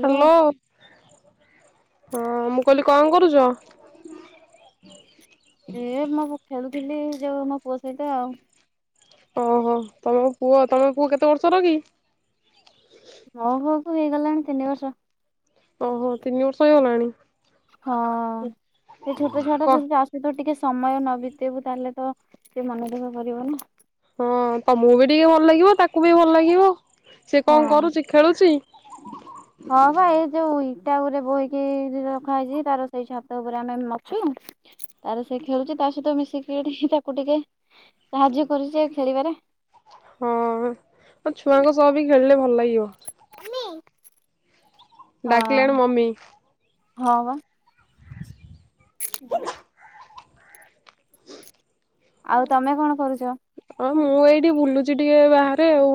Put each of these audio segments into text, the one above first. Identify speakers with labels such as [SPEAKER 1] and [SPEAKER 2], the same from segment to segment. [SPEAKER 1] Hello ହଁ ମୁଁ କହିଲି କଣ କରୁଛ?
[SPEAKER 2] ସେ [unintelligible] ଥିଲି ଯୋଉ ମୋ ପୁଅ ସହିତ ଆଉ
[SPEAKER 1] ଓହୋ ତମ ପୁଅ ତମ ପୁଅ କେତେ ବର୍ଷର କି?
[SPEAKER 2] ହୋଉ ହୁ ହଇଗଲାଣି ତିନିବର୍ଷର।
[SPEAKER 1] ଓହୋ ତିନିବର୍ଷ ହଲାଣି
[SPEAKER 2] ହଁ ସେ ଛୋଟ
[SPEAKER 1] କ
[SPEAKER 2] ଛୁଆଟା ଯେମିତି ଆସୁ ତୁ ଟିକେ ସମୟ ନ ବିତେଇବୁ ତାହେଲେ ତ ଟଏ ମନେ ଦେଖା ପିବ ନା
[SPEAKER 1] ହଁ ତମକୁ ବି ଟିକେ ଭଲ ଲାଗିବ ତାକୁ ବି ଭଲ ଲାଗିବ। ସେ
[SPEAKER 2] ହଁ
[SPEAKER 1] କଣ କରୁଚି ଖେଳୁଚି।
[SPEAKER 2] ଟା ଉପରେ ବୋହିକି ରଖା ହେଇଚି, ତାର ସେଇ ଛାତ ଉପରେ ଆମେ ମାଛୁ ତାର ସେ ଖେଳୁଚି, ତା ସହିତ ମିଶିକିିକ ତାକୁ ଟିକେ ସାହାଯ୍ୟ କରୁଛି ଖେଳିବାରେ
[SPEAKER 1] ହଁ ଆଉ ଛୁଆଙ୍କ ସହ ବି ଖେଳିଲେ ଭଲ ଲାଗି ଡ଼ିିଓ [inaudible]
[SPEAKER 2] [unintelligible] ହଁ
[SPEAKER 1] ଡାକିଲେଣି ମମି
[SPEAKER 2] ହଁ। [inaudible] ଆଉ ତମେ କଣ କରୁଚ।
[SPEAKER 1] ହଁ ମୁଁ ଏଇଠି ବୁଲୁଚି, ଟିକେ ବାହାରେ ଆଉ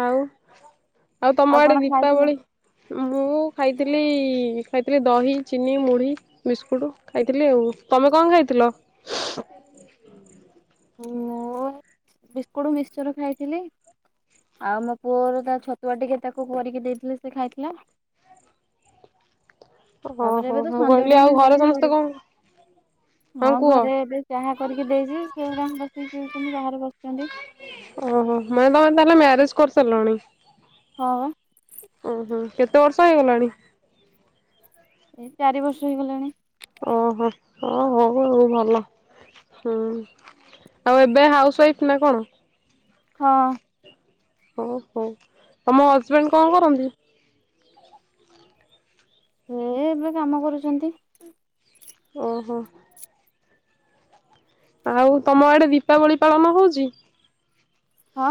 [SPEAKER 1] ଆଉ ଆଉ ତମ ଆଡେ
[SPEAKER 2] କଣ ଖାଇଥିଲ
[SPEAKER 1] ଦୀପାବଳି ମୁଁ ଖାଇଥିଲି ଖାଇଥିଲି, ଦହି ଚିନି ମୁଢି ବିସ୍କୁଟ ଖାଇଥିଲି ଆଉ, ତମେ କଣ ଖାଇଥିଲ।
[SPEAKER 2] ମୁଁ ବିସ୍କୁଟ ମିକ୍ସଚର ଖାଇଥିଲି, ଆଉ ମୋ ପୁଅର ତା ଛତୁଆ ଟିକେ ତାକୁ କରିକି ଦେଇଥିଲେି ସେ ଖାଇଥିଲା। [inaudible] ତାପରେ ଏବେ
[SPEAKER 1] ଓହୋ
[SPEAKER 2] ତ
[SPEAKER 1] ମୁଁ କହିଲି
[SPEAKER 2] ସଞଟାଇମ୍
[SPEAKER 1] ଆଉ
[SPEAKER 2] ହେଲାଣି
[SPEAKER 1] ସମସ୍ତେ
[SPEAKER 2] ଘରେ
[SPEAKER 1] କଣ
[SPEAKER 2] ହଁ ଘରେ ଏବେ ଚାହା କରିକି ଦେଇଚି। [unintelligible] ବସିକି ପିଉଛନ୍ତି, ବାହାରେ ବସିଛନ୍ତି।
[SPEAKER 1] ଓହୋ ମାନେ ତମେ ତାହେଲେ ମ୍ୟାରେଜ କରିସାରିଲଣି।
[SPEAKER 2] ହଁ। [inaudible]
[SPEAKER 1] ଓହୋ କେତେ ବର୍ଷ ହେଇଗଲାଣି। [inaudible]
[SPEAKER 2] ଏଇ ଚାରି ବର୍ଷ ହେଇଗଲାଣି।
[SPEAKER 1] ଓହୋ ଓ ହୋଉ ଭଲ, ହୁଁ ଆଉ ଏବେ ହାଉସ ୱାଇଫ ନା କଣ?
[SPEAKER 2] ହଁ।
[SPEAKER 1] ଓ ହୋ ତମ ହଜବେଣ୍ଡ କଣ କରନ୍ତି?
[SPEAKER 2] ହୁଁ ଏ ଏବେ କାମ କରୁଛନ୍ତି?
[SPEAKER 1] ଓହୋ। ଆଉ ତମ ଆଡେ ଦୀପାବଳି ପାଳନ ହୋଉଚି।
[SPEAKER 2] ହଁ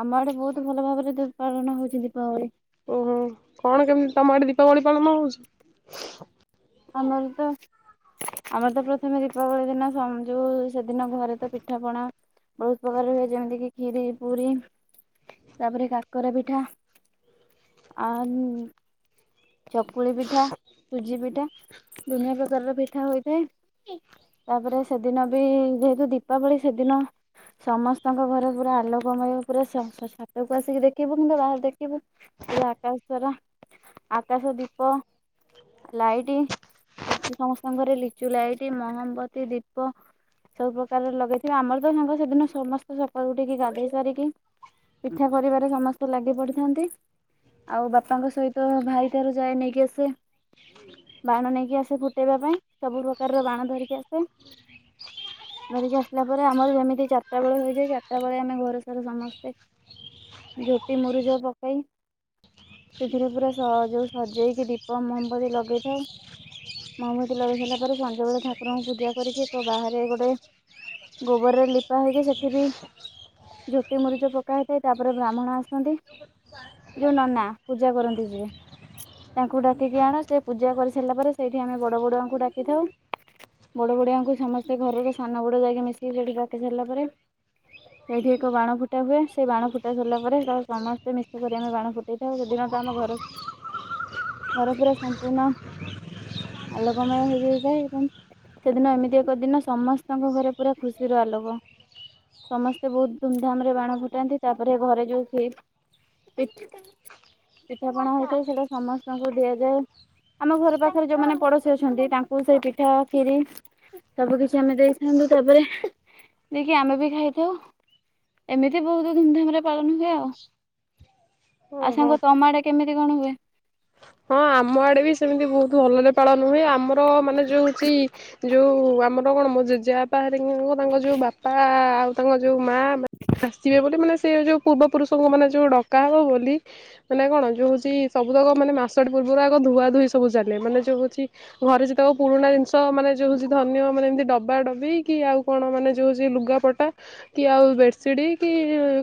[SPEAKER 2] ଆମ ଆଡେ ବହୁତ ଭଲ ଭାବରେ, ଦୀ ପାଳନ ହଉଛି ଦୀପାବଳି।
[SPEAKER 1] ଓହୋ କଣ କେମତି ତମ ଏଠି ଦୀପାବଳି ପାଳନ ହଉଛି।
[SPEAKER 2] ଆମର ତ ଆମର ତ ପ୍ରଥମେ ଦୀପାବଳି ଦିନ ସମ୍ ଯୋଉ ସେଦିନ ଘରେ ତ ପିଠାପଣା ବୋହୁତ ପ୍ରକାର ହୁଏ, ଯେମିତି କି ଖିରି ପୁରୀ ତାପରେ କାକରା ପିଠା ଆ ଉ ଚକୁଳି ପିଠା ସୁଜି ପିଠା। ଦୁନିଆ ପ୍ରକାରର ପିଠା ହୋଇଥାଏ ତାପରେ ସେଦିନ ବି ଯେହେତୁ ଦୀପାବଳି ସେଦିନ ସମସ୍ତଙ୍କ ଘରେ ପୁରା ଆଲୋକମୟ, ପୁରା ଛାତକୁ ଆସିକି ଦେଖିବୁ କିମ୍ବା ବାହାରେ ଦେଖିବୁ, ପୁରା ଆକାଶ ଶାରାା ଆକାଶ ଦୀପ ଲାଇଟ। ସେମିତି ସମସ୍ତଙ୍କଘରେ ଲିଚୁ ଲାଇଟିି ମହମବତୀ ଦୀପ ସବୁ ପ୍ରକାର ଲଗେଇଥିବେ। ଆମର ତ ସାଙ୍ଗ ସେଦିନ ସମସ୍ତେ ସକାଳୁ ଉଠିକି ଗାଧେଇ ସାରିକି ପିଠା କରିବାରେ ସମସ୍ତେ ଲାଗି ପଡିଥାନ୍ତି, ଆଉ ବାପାଙ୍କ ସହିତ ଭାଇ ତାରେ ଯାଏ ନେଇକି ଆସେ।
[SPEAKER 1] [unintelligible] ହୁଁ।
[SPEAKER 2] ବାଣ ନେଇକି ଆସେ ଫୁଟେଇବା ପାଇଁ, ସବୁ ପ୍ରକାରର ବାଣ ଧରିକି ଆସେ ଧରିକି ଆସିଲା ପରେ ଆମର ଯେମିତି ଚାରିଟା ବେଳେ ହେଇଯାଏ, ଚାରିଟା ବେଳେ ଆମେ ଘର ସାରା ସମସ୍ତେ ଝୋଟି ମୁରୁଜ ପକେଇ ସେଥିରେ ପୁରା ସ ଯୋଉ ସଜେଇକି ଦୀପ ମହମବତୀ ଲଗେଇଥାଉ। ମମୂତି ଲଗେଇ ସାରିଲା ପରେ, ସଞ୍ଜବେେଳେ ଠାକୁରଙ୍କୁ ପୂଜା କରିକି କୋ ବାହାରେ ଗୋଟେ ଗୋବରରେ ଲିପା ହୋଇକି ସେଠି ବି ଝୋଟି ମୁରୁଚ ପକା ହେଇଥାଏ, ତାପରେ ବ୍ରାହ୍ମଣ ଆସନ୍ତି ଯୋଉ ନନା ପୂଜା କରନ୍ତି ଯିଏ। ତାଙ୍କୁ ଡାକିକି ଆଣ ସେ ପୂଜା କରି ସାରିଲା ପରେ ସେଇଠି ଆମେ ବଡ଼ ବଡ଼ୁଆଙ୍କୁ ଡାକିଥାଉ, ବଡ଼ ବୁଡ଼ିଆଙ୍କୁ ସମସ୍ତେ ଘରର ସାନ ବଡ଼ ଯାଇକି ମିଶିକି ସେଇଠି ଡାକି ସାରିଲା ପରେ ସେଇଠି ଏକ ବାଣ ଫୁଟା ହୁଏ ସେଇ ବାଣ ଫୁଟା ସରିଲା ପରେ ତାକୁ ସମସ୍ତେ ମିଶିକରି ଆମେ ବାଣ ଫୁଟାଇଥାଉ ସେଦିନ ତ ଆମ ଘରେ ଘର ପୁରା ସମ୍ପୂର୍ଣ୍ଣ ଆଲୋକମୟ ହେଇଯାଇଥାଏ, ଏବଂ ସେଦିନ ଏମିତି ଏକ ଦିନ ସମସ୍ତଙ୍କ ଘରେ ପୁରା ଖୁସିର ଆଲୋକ। ସମସ୍ତେ ବୋହୁତ ଧୁମଧାମ୍ ରେ ବାଣ ଫୁଟାନ୍ତି, ତାପରେ ଘରେ ଯୋଉ ସେ ପିଠ୍ ପିଠାପଣା ହେଇଥାଏ, ସେଇଟା ସମସ୍ତଙ୍କୁ ଦିଆଯାଏ। ଆମ ଘର ପାଖରେ ଯୋଉମାନେ ପଡୋଶୀ ଅଛନ୍ତି, ତାଙ୍କୁ ସେଇ ପିଠା ଖିରି ସବୁ କିଛି ଆମେ ଦେଇଥାନ୍ତୁ, ତାପରେ ଦେଇକି ଆମେ ବି ଖାଇଥାଉ ଏମିତି ବୋହୁତ ଧୁମଧାମରେ ପାଳନ ହୁଏ ଆଉ। [inaudible] ଆଉ
[SPEAKER 1] ଓହୋ
[SPEAKER 2] ସାଙ୍ଗ ତମଆଡେ କେମିତି କଣ ହୁଏ?
[SPEAKER 1] ହଁ ଆମ ଆଡେ ବି ସେମିତି ବୋହୁତ ଭଲରେ ପାଳନ ହୁଏ, ଆମର ମାନେ ଯୋଉ ହୋଉଚି ଯୋଉ ଆମର କଣ ମୋ ଜେଜେପା ହରିକାଙ୍କୁ ତାଙ୍କ ଯୋଉ ବାପା ଆଉ ତାଙ୍କ ଯୋଉ ମା ଆସିବେ ବୋଲି। ମାନେ ସେ ଯୋଉ ପୂର୍ବ ପୁରୁଷଙ୍କ ମାନେ ଯୋଉ ଡକା ହବ ବୋଲି ମାନେ କଣ ଯୋଉ ହଉଛି ସବୁ ତକ ମାନେ ମାସ୍ ସଟେ ପୂର୍ବରୁ ଆଗ ଧୁଆ ଧୁଇ ସବୁ ଚାଲେ। ମାନେ ଯୋଉ ହେଉଛି ଘରେ ସେ ତାକୁ ପୁରୁଣା ଜିନିଷ ମାନେ ଯେଉଁ ହେଉଛି ଧରିନିଅ ମାନେ ଏମିତି ଡବା ଡବି କି ଆଉ କଣ, ମାନେ ଯେଉଁ ହେଉଛି ଲୁଗାପଟା କି ଆଉ ବେଡ଼ସିଟ୍ କି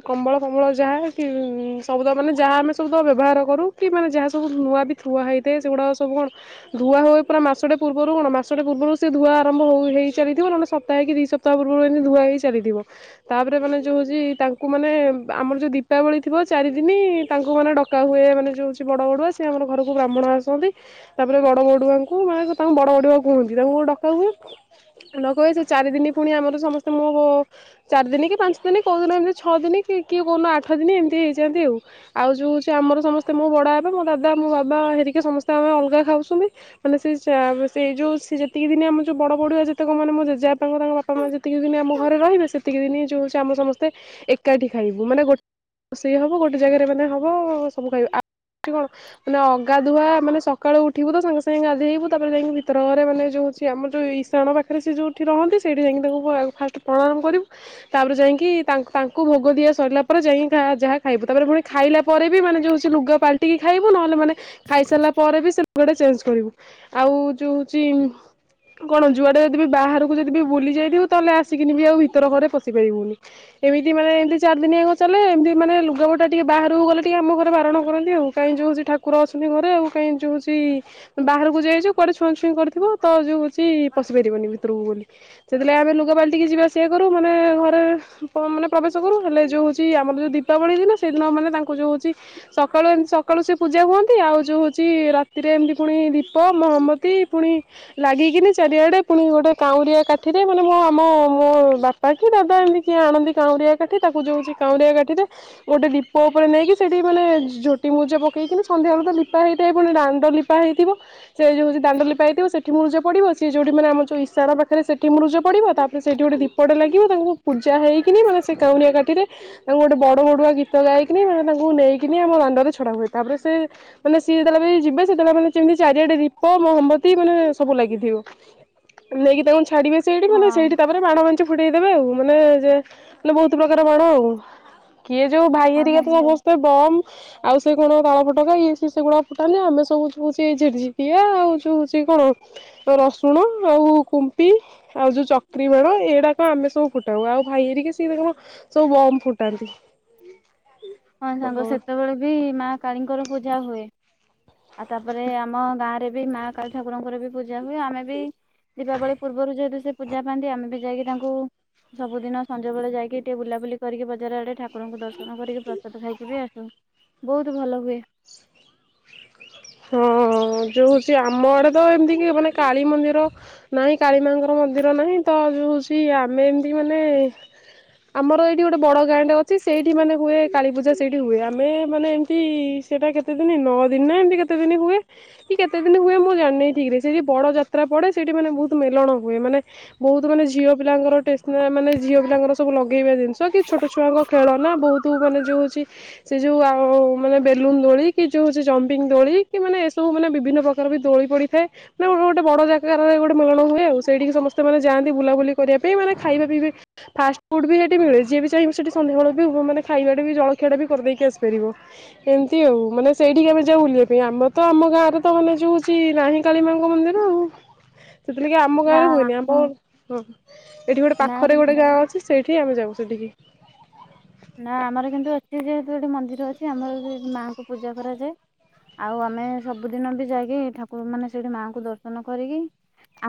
[SPEAKER 1] କମ୍ବଳ ଫମଳ ଯାହା କି ସବୁତ ମାନେ ଯାହା ଆମେ ସବୁଦ ବ୍ୟବହାର କରୁ କି ମାନେ ଯାହା ସବୁ ନୂଆ କି ଧୁଆ ହେଇଥାଏ। ସେଗୁଡା ସବୁ କଣ ଧୁଆ ହୁଏ ପୁରା ମାସଟେ ପୂର୍ବରୁ କଣ ମାସଟେ ପୂର୍ବରୁ ସେ ଧୁଆ ଆରମ୍ଭ ହୁ ହୋଇସାରିଥିବ। ନହେଲେ ସପ୍ତେ କି ଦି ସପ୍ତାହ ପୂର୍ବରୁ ଏମିତି ଧୁଆ ହେଇ ଚାଲିଥିବ ତାପରେ ମାନେ ଯଉଛି ତାଙ୍କୁ ମାନେ ଆମର ଯୋଉ ଦିପାବଳି ଥିବ ଚାରି ଦିନି ତାଙ୍କୁ ମାନେ ଡକା ହୁଏ ମାନେ ଯାଉଚି ବଡ ବଡୁଆ ଆମର ଘରକୁ କୁ ବ୍ରାହ୍ମଣ ଆସନ୍ତି, ତାପରେ ବଡ଼ ବଡୁଆଙ୍କୁ ମାନେ ତାଙ୍କୁ ବଡ ବଡୁଆ କୁହନ୍ତି, ତାଙ୍କୁ ଡକା ହୁଏ ଡକା ହୁଏ ସେ ଚାରି ଦିନ ପୁଣି ଆମର ସମସ୍ତେ ମୋ ଚାରି ଦିନ କି ପାଞ୍ଚ ଦିନ କୋଉ ଦିନ ଏମତି ଛଅ ଦିନ କିଏ କୋଉଦିନ ଆଠ ଦିନ ଏମିତି ହେଇଯାଆନ୍ତି, ଆଉ ଆଉ ଯୋଉ ହଉଛି ଆମର ସମସ୍ତେ ମୋ ବଡ ହେବା ମୋ ଦାଦା ମୋ ବାପ ବା ହେରିକି ସମସ୍ତେ ଆମେ ଅଲଗା ଖାଉଛନ୍ତି, ମାନେ ସେ ସେଇ ଯୋଉ ସେ ଯେତିକି ଦିନେ ଆମ ଯୋଉ ବଡ଼ ବଡୁଆ ଯେତେକ ମାନେ ମ ଜେଜେଆପାଙ୍କ ତାଙ୍କ ବାପା ମା ଯେତିକି ଦିନ ଆମ ଘରେ ରହିବେ ସେତିକି ଦିନ ଯୋଉ ଆମ ସମସ୍ତେ ଏକାଠି ଖାଇବୁ। ମାନେ ଗୋଟେ ରୋଷେଇ ହବ ଗୋଟେ ଜାଗାରେ ମାନେ ହବ ସବୁ ଖାଇବୁ ଆଉ କଣ? ମାନେ ଅଗାଧୁଆ ମାନେ ସକାଳୁ ଉଠିବୁ ତ ସାଙ୍ଗେ ସାଙ୍ଗେ ଗାଧେଇବୁ ତାପରେ ଯାଇକି ଭିତର ଘରେ ମାନେ ଯେଉଛି ଆମରଉ ଇସାଣ ପାଖରେ ସେ ଯେଉଁଠି ରହନ୍ତି ସେଇଠି ଯାଇକି ତାଙ୍କୁ ଫାଷ୍ଟ ପ୍ରଣାମ କରିବୁ। ତାପରେ ଯାଇକି ତା ତାଙ୍କୁ ଭୋଗ ଦିଆ ସରିଲା ପରେ ଯାଇକି ଯାହା ଖାଇବୁ। ତାପରେ ପୁଣି ଖାଇଲା ପରେ ବି ମାନେ ଯେଉଁଉଛି ଲୁଗା ପାଲଟିକି ଖାଇ ବୁ ନହେଲେ ମାନେ ଖାଇସାରିଲା ପରେ ବି ସେ ଲୁଗାଟା ଚେଞ୍ଜ କରିବୁ, ଆଉ ଯୋଉ ହୋଉଚି କଣ ଯୁଆଡେ ଯଦି ବାହାରକୁ ଯଦି ବି ବୁଲି ଯାଇଥିବ ତାହେଲେ ଆସିକିନି ବି ଆଉ ଭିତର ଘରେ ପଶି ପାରିବୁନି, ଏମିତି ମାନେ ଏମିତି ଚାରି ଦିନି ଆଗ ଚାଲେ ଏମିତି ମାନେ ଲୁଗପଟା ଟିକେ ବାହାରକୁ ଗଲେ ଟିକେ ଆମ ଘରେ ବାରଣ କରନ୍ତି, ଆଉ କାହିଁ ଯୋଉ ଯୋଉ ଠାକୁର ଅଛନ୍ତି, ଘରେ ଆଉ କାଇଁ ଯୋଉଛି ବାହାରକୁ ଯାଇଚୁ କୁଆଡେ ଛୁଆଁ ଛୁଇଁ କରିଥିବ ତ ଯୋଉ ହୋଉଚି ପଶି ପାରିବନି ଭିତରକୁ ବୋଲି ସେତିଲାଗି ଆମେ ଲୁଗା ପାାଲଟିକି ଯିବା ଆସିବା କରୁ, ମାନେ ଘରେ ମାନେ ପ୍ରବେଶ କରୁ, ହେଲେ ଯୋଉ ହଉଛି ଆମର ଯଉ ଦୀପାବଳି ଦିନ ସେଦିନ ତାଙ୍କୁ ଯୋଉଛି ସକାଳୁ ଏମ୍ ସକାଳୁ ପୂଜା ହୁଅନ୍ତି, ଆଉ ଯେଉଁ ହୋଉଚି ରାତିରେ ଏମିତି ପୁଣି ଦୀପ ମହମବତୀ ପୁଣି ଲାଗିକିନି ଚାରିଆଡ଼େ ପୁଣି ଗୋଟେ କାଉରିଆ କାଠିରେ ମାନେ ମୋ ଆମ ମୋ ବାପା କି ଦାଦା ଏମିତି କିଏ ଆଣନ୍ତି, କାଉରିଆ କାଠି ତାକୁ ଯେଉଁ ହେଉଛି କାଉରିଆ କାଠିରେ ଗୋଟେ ଦୀପ ଉପରେ ନେଇକି ସେଇଠି ମାନେ ଝୋଟି ମୁରୁଜ ପକ୍ ଦେଇକି ସନ୍ଧ୍ୟାବେଳେ ତ ଲିପା ହୋଇଇଥାଏ ପୁଣି ଦାଣ୍ଡ ଲିପା ହୋଇଥିବ ସେ ଯେଉ ଦାଣ୍ଡ ଲିପା ହେଇଥିବ ସେଠି ମୁରୁଜ ପଡ଼ିବ ସିଏ ଯେଉଁଠି ମାନ ଆମର ଇଶାଣ ପାଖରେ ସେଠି ମୁରୁଜ ପଡ଼ିବ ତାପରେ ସେଇଠି ଗୋଟେ ଦୀପଟେ ଲାଗିବ ତାଙ୍କୁ ପୂଜା ହୋଇକି ମାନେ ସେ କାଉଁରିଆ କାଠିରେ ତାଙ୍କୁ ଗୋଟେ ବଡ଼ ବଡ଼ୁଆ ଗୀତ ଗାଇକି ମାନେ ତାଙ୍କୁ ନେଇକି ଆମ ଦାଣ୍ଡରେ ଛଡ଼ା ହୁଏ। ତାପରେ ସେ ମାନେ ସିଏ ଯେତେବେଳେ ବି ଯିବେ ସେତେବେଳେ ମାନେ ଯେମିତି ଚାରିଆଡେ ଦୀପ ମହମବତୀ ମାନେ ସବୁ ଲାଗିଥିବ। ନେଇକି ତାଙ୍କୁ ଛାଡ଼ିବେ ସେଇଠି
[SPEAKER 2] ହଁ
[SPEAKER 1] ମାନେ ସେଇଠି ତାପରେ ମାଣ ମଞ୍ଚ ଦେଇଦେବେ ଆଉ ମାନେ ଯେ ମାନେ ବୋହୁତ ପ୍ରକାର ବାଣ ଆଉ କିଏ ଯୋଉ ଭାଇ
[SPEAKER 2] ହଁ
[SPEAKER 1] ହେରିକି ତ
[SPEAKER 2] ସାଙ୍ଗ
[SPEAKER 1] ସମସ୍ତେ ବମ ଆଉ ସବୁ କଣ ତାଳ ଫଟକା ଇଏ ସିଏ ସେଗୁଡା ଫୁଟାନ୍ତି, ଆମେ ସବୁ ହଉଚି, ଝିକଝିକିଆ ଆଉ ଯୋଉ ହଉଛି କଣ ରସୁଣ ଆଉ କୁମ୍ପି ଆଉ ଯୋଉ ଚକ୍ରି ବାଣ ଏଇଗୁଡା କଣ ଆମେ ସବୁ ଫୁଟାଉ ଆଉ ଭାଇ ହେରିକା ସବୁ କଣ ସବୁ ବମ ଫୁଟାନ୍ତି।
[SPEAKER 2] ହଁ ସାଙ୍ଗ ସେତେବେଳେ ବି ମା କାଳୀଙ୍କର ପୂଜା ହୁଏ। ଆଉ ତାପରେ ଆମ ଗାଁରେ ବି ମା କାଳୀ ଠାକୁରଙ୍କର ବି ପୂଜା ହୁଏ, ଆମେ ବି ଦୀପାବଳି ପୂର୍ବରୁ ଯେହେତୁ ସେ ପୂଜା ପାଆନ୍ତି ଆମେ ବି ଯାଇକି ତାଙ୍କୁ ସବୁଦିନ ସଞ୍ଜ ବେଳେ ଯାଇକି ଟିକେ ବୁଲାବୁଲି କରିକି ବଜାର ଆଡେରେ। କୁକୁରଙ୍କୁ ଦର୍ଶନ କରିକି ଖାଇକି ବି ଆସୁ ବୋହୁତ ଭଲ ହୁଏ। [inaudible]
[SPEAKER 1] ହଁ ଯୋଉ ହଉଛି ଆମର ତ ଏମିତି କି ମାନେ କାଳୀ ମନ୍ଦିର ନାହିଁ କାଳୀ ମାଙ୍କର ମନ୍ଦିର ନାହିଁ ତ ଯୋଉ ହୋଉଚି ଆମେ ଏମିତି ମାନେ ଆମର ଏଇଠି ଗୋଟେ ବଡ ଗାଁ ଟେ ଅଛି ସେଇଠି ମାନେ ହୁଏ କାଳୀ ପୂଜା ସେଇଠି ହୁଏ ଆମେ ମାନେ ଏମିତି ସେଇଟା କେତେ ଦିନ ନଅ ଦିନ ନା ଏମିତି କେତେ କେତେ ଦିନ ହୁଏ, କି କେତେ ଦିନ ହୁଏ ମୁଁ ଜାଣିନି ଠିକ ରେ ସେଇଠି ବଡ ଯାତ୍ରା ପଡେ ସେଇଠି ମାନେ ବୋହୁତ ମେଳଣ ହୁଏ, ମାନେ ବହୁତ ମାନେ ଝିଅ ପିଲାଙ୍କର ମାନେ ଝିଅ ପିଲାଙ୍କର ସବୁ ଲଗେଇବା ଜିନିଷ କି ଛୋଟ ଛୁଆଙ୍କ ଖେଳନା ବହୁତ ମାନେ ଯୋଉ ହୋଉଚି ସେ ଯୋଉ ମାନେ ବେଲୁନ ଦୋଳି କି ଯୋଉ ହୋଉଚି ଜମ୍ପିଙ୍ଗ ଦୋଳି କି ମାନେ ଏସବୁ ମାନେ ବିଭିନ୍ନ ପ୍ରକାର ବି ଦୋଳି ପଡିଥାଏ, ହଁ ଗୋଟେ ବଡ ଜାଗାରେ ଗୋଟେ ମେଳଣ ହୁଏ ଆଉ ସେଇଠିକି ସମସ୍ତେ ମାନେ ଯାଆନ୍ତି ବୁଲାବୁଲି କରିବା ପାଇଁ ମାନେ ଖାଇବା ପିଇବା ଫାଷ୍ଟ ଫୁଡ ବି ସେଇଠି ମିଳେ, ଯିଏ ବି ଚାହିଁବ ସେଠି ସନ୍ଧ୍ୟାବେଳ ମାନେ ଖାଇବାଟା ବି ଜଳଖିଆ ଟା ବି କରିଦେଇକି ଆସିପାରିବ ଏମିତି ଆଉ ମାନେ ସେଠି ଆମେ ଯାଉ ଆମ ତ ଆମ ଗାଁରେ ତ ମାନେ ଜ ହୋଉଚି ରାଣୀ କାଳୀ ମାଙ୍କ ମନ୍ଦିର ଆଉ ସେଥିଲାଗି ଆମ
[SPEAKER 2] ନା
[SPEAKER 1] ଗାଁରେ ହୁଏନି ଆମ ହଁ ଏଠି ଗୋଟେ
[SPEAKER 2] ନା
[SPEAKER 1] ପାଖରେ
[SPEAKER 2] କିନ୍ତୁ
[SPEAKER 1] ଗୋଟେ ଗାଁ ଅଛି ସେଇ ଏଠି ଆମେ ଯାଉ ସେଠିକି। [inaudible]
[SPEAKER 2] ନା ଆମର କିନ୍ତୁ ଅଛି ଯେହେତୁ ସେଠି ମନ୍ଦିର ଅଛି ଆମର ସେଠି ମାଆଙ୍କୁ ପୂଜା କରାଯାଏ ଆଉ ଆମେ ସବୁଦିନ ବି ଯାଇକି ଠାକୁର ମାନେ ସେଇଠି ମାଆଙ୍କୁ ଦର୍ଶନ କରିକି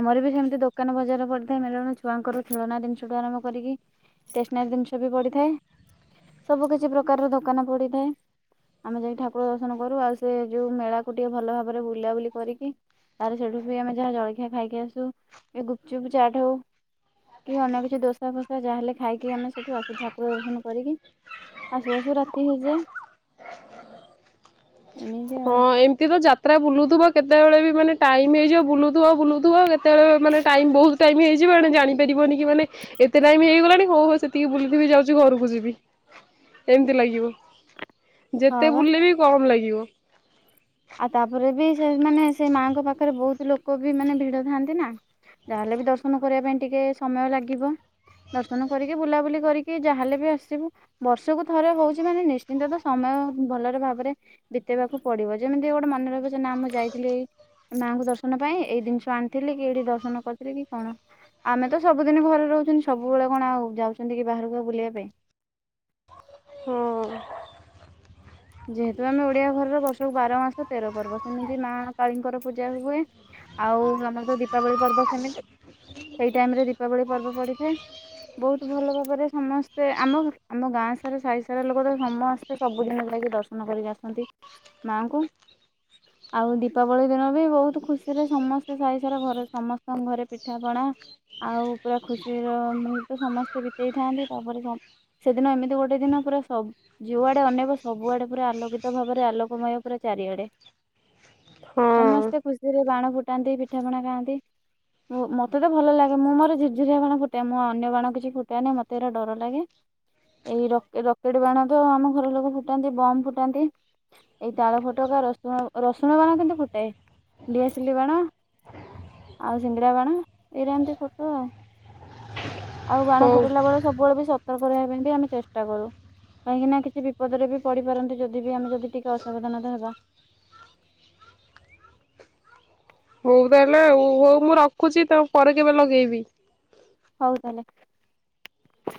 [SPEAKER 2] ଆମର ବି ସେମିତି ଦୋକାନ ବଜାର ପଡିଥାଏ ମେଳଣ ଛୁଆଙ୍କର ଖେଳନା ଜିନିଷଠୁ ଆରମ୍ଭ କରିକି ଷ୍ଟେସନାରୀ ଜିନିଷ ବି ପଡିଥାଏ। ସବୁ କିଛି ପ୍ରକାରର ଦୋକାନ ପଡିଥାଏ ଆମେ ଯାଇକି ଠାକୁର ଦର୍ଶନ କରୁ ଆଉ ସେ ଯୋଉ ମେଳାକୁ ଟିକେ ଭଲ ଭାବରେ ବୁଲାବୁଲି କରିକି ତାରେ ସେଠୁ ଆମେ ଯାହା ଜଳଖିଆ ଖାଇକି ଆସୁ କି ଗୁପଚୁପ ଚାଟ ହଉ କି ଅନ୍ୟ କିଛି ଦୋସା ଫୋସା ଯାହାେଲେ ଖାଇକି ଆମେ ସେଠୁ ଆସୁ ଠାକୁର ଦର୍ଶନ କରିକି ଆସୁ ଆସୁ ରାତି ହେଇଯାଏ। [inaudible] ଆଉ
[SPEAKER 1] ହଁ ଏମିତି ତ ଯାତ୍ରା ବୁଲୁଥିବ। କେତେବେଳେ ବି ମାନେ ଟାଇମ ହେଇଯିବ ବୁଲୁଥିବ ବୁଲୁଥିବ କେତେବେଳେବି ମାନେ ଟାଇମ ବହୁତ ଟାଇମ ହେଇଯିବେ ଜାଣି ପାରିବନି କି ମାନେ ଏତେ ଟାଇମ ହେଇଗଲାଣି ହଉ ହଉ ସେତିକି ବୁଲୁଥିବ ବି ଯାଉଛି ଘରକୁ ଯିବି ଏମିତି ଲାଗିବ।
[SPEAKER 2] ହଁ
[SPEAKER 1] ଯେତେ
[SPEAKER 2] ବା
[SPEAKER 1] ବୁଲିଲେ ବି କମ ଲାଗିବ। ଜୀବ
[SPEAKER 2] ଆଉ ତାପରେ ବି ସେମାନେ ସେ ମାଙ୍କ ପାଖରେ ବହୁତ ଲୋକ ବି ମାନେ ଭିଡ ଥାଆନ୍ତି ନା ଯାହାେଲେ ବି ଦର୍ଶନ କରିବା ପାଇଁ ଟିକେ ସମୟ ଲାଗିବ ଦର୍ଶନ କରିକି ବୁଲାବୁଲି କରିକି ଯାହାଲେ ବି ଆସିବୁ ବର୍ଷକୁ ଥରେ ହଉଛି ମାନେ ନିଶ୍ଚିନ୍ତ ତ ସମୟ ଭଲରେ ଭାବରେ ବିତେଇବାକୁ ପଡିବ। ଯେମିତି ଗୋଟ ମନରେ ବି ନା ମୁଁ ଯାଇଥିଲି। ମାଆଙ୍କୁ ଦର୍ଶନ ପାଇଁ ଏଇ ଜିନିଷ ଆଣିଥିଲି କି ଏଇଠି ଦର୍ଶନ କରିଥିଲି କି କଣ ଆମେ ତ ସବୁଦିନ ଘରେ ରହୁଛନ୍ତି ସବୁବେଳେ କଣ ଆଉ ଯାଉଛନ୍ତି କି ବାହାରକୁ ଆଉ ବୁଲିବା ପାଇଁ [inaudible]
[SPEAKER 1] ହୁଁ।
[SPEAKER 2] ଯେହେତୁ ଆମେ ଓଡିଆ ଘରର ବର୍ଷ ବାର ମାସ ତେର ପର୍ବ ସେମିତି ମା କାଳୀଙ୍କର ପୂଜା ହୁଏ ଆଉ ଆମର ତ ଦୀପାବଳି ପର୍ବ ସେମିତି ସେଇ ଟାଇମରେ ଦୀପାବଳି ପର୍ବ ପଡି ବହୁତ ଭଲ ଭାବରେ ସମସ୍ତେ ଆମ ଆମ ଗାଁ ସାରା ସାହି ସାରା ଲୋକ ତ ସମସ୍ତେ ସବୁ ଜିନିଷ ଲାଗି ଦର୍ଶନ କରିକି ଆସନ୍ତି ମାଙ୍କୁ ଆଉ ଦୀପାବଳି ଦିନ ବି ବହୁତ ଖୁସିରେ ସମସ୍ତେ ସାଇ ସାରା ଘରେ ସମସ୍ତଙ୍କ ଘରେ ପିଠା ପଣା ଆଉ ପୁରା ଖୁସିର ମୁହୂର୍ତ୍ତ ସମସ୍ତେ ବିତେଇଥାନ୍ତି ତାପରେ ସେଦିନ ଏମିତି ଗୋଟେ ଦିନ ପୁରା ସବୁ ଯୁଆଡ଼େ ଅନେଇବ ସବୁଆଡେ ପୁରା ଆଲୋକିତ ଭାବରେ ଆଲୋକମୟ ପୁରା ଚାରିଆଡେ।
[SPEAKER 1] ହଁ
[SPEAKER 2] ସମସ୍ତେ ଖୁସିରେ ବାଣ ଫୁଟାନ୍ତି। ଫୁଟାନ୍ତି ପିଠାପଣା ଖାଆନ୍ତି। ମତେ ତ ଭଲ ଲାଗେ ମୁଁ ମୋର ଝୁରୁଝୁରିଆ ବାଣ ଫୁଟାଏ। ମୁଁ ଅନ୍ୟ ବାଣ କିଛି ଫୁଟାନି ମୋତେ ଏରା ଡର ଲାଗେ ଏଇ ରକେଟ ବାଣ ତ ଆମ ଘର ଲୋକ ଫୁଟାନ୍ତି ବ ଫୁଟାନ୍ତି ଏଇ ତାଳ ଫୋଟୋକା ରସୁଣ ରସୁଣ ବାଣ କେମିତି ଫୁଟା ଡିଆସିଲି ବାଣ ଆଉ ସିଙ୍ଗଡା ବାଣ ଏଇଟା ଏମତି ଫଟୋ ଆଉ। ଆଉ ବାଣ
[SPEAKER 1] ହଉ
[SPEAKER 2] ଫୁଟେଇଲା ବେଳେ ସବୁବେଳେ ବି ସତ ସତକ ରହିବା ପାଇଁ ବି ଆମେ ଚେଷ୍ଟା କରୁ କାହିଁକି ନା କିଛି ବିପଦରେ ବି ପଡି ପାରନ୍ତି। ଯଦି ବି ଆମେ ଯଦି ଟିକେ ଅସାବଧାନତା ହେବା [inaudible]
[SPEAKER 1] ହଉ ତାହେଲେଉ ହଉ ମୁଁ ରଖୁଛି ତ ପରେ କେବେ ଲଗେଇବି।
[SPEAKER 2] ହଉ ତାହେଲେ। [inaudible]